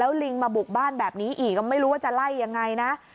ลิงมาบุกบ้านแบบนี้อีกก็ไม่รู้ว่าจะไล่ยังไงนะ